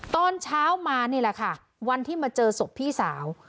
ตอนเช้ามานี่แหละค่ะวันที่มาเจอศพพี่สาว